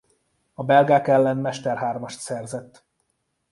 A belgák ellen mesterhármast szerzett.